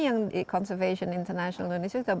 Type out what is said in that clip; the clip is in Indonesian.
yang di conservation international indonesia sudah